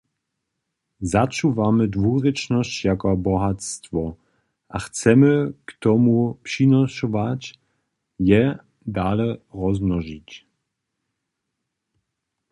Začuwamy dwurěčnosć jako bohatstwo, a chcemy k tomu přinošować, je dale rozmnožić.